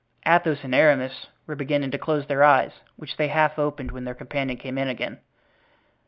Athos and Aramis were beginning to close their eyes, which they half opened when their companion came in again.